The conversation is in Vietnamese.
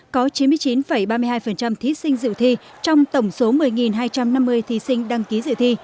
có chín mươi chín ba mươi hai thí sinh dự thi trong tổng số một mươi hai trăm năm mươi thí sinh đăng ký dự thi